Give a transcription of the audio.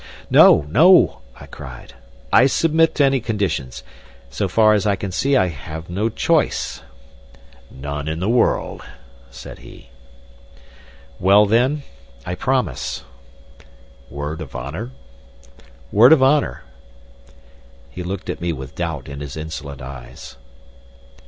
"No, no!" I cried. "I submit to any conditions. So far as I can see, I have no choice." "None in the world," said he. "Well, then, I promise." "Word of honor?" "Word of honor." He looked at me with doubt in his insolent eyes.